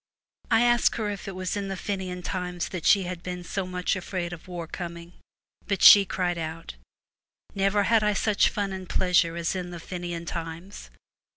I asked her if it was in the Fenian times that she had been so much afraid of war coming. But she cried out, ' Never had I such fun and pleasure as in the Fenian times.